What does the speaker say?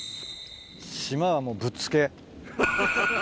「島」はもうぶっつけ。